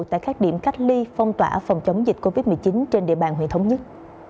tại các điểm cách ly phong tỏa phòng chống dịch covid một mươi chín trên địa bàn huyện thống nhất